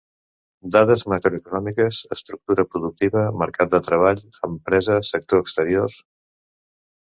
Dades macroeconòmiques, estructura productiva, mercat de treball, empresa, sector exterior...